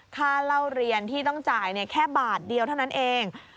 ค่าเล่าเรียนที่ต้องจ่ายแค่บาทเดียวเท่านั้นเอง